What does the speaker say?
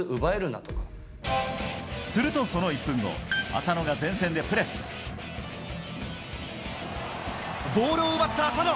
するとその１分後、浅野が前ボールを奪った浅野。